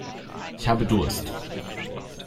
Ich habe Durst.